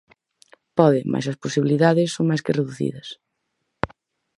Pode, mais as posibilidades son máis que reducidas.